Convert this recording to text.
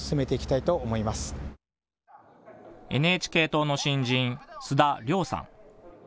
ＮＨＫ党の新人、須田良さん。